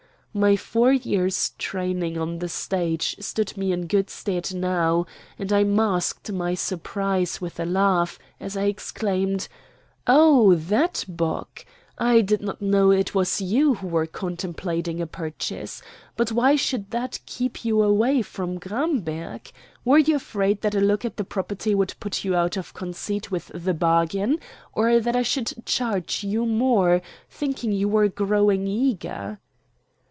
My four years' training on the stage stood me in good stead now, and I masked my surprise with a laugh as I exclaimed: "Oh, that Bock! I did not know it was you who were contemplating a purchase. But why should that keep you away from Gramberg? Were you afraid that a look at the property would put you out of conceit with the bargain, or that I should charge you more, thinking you were growing eager?"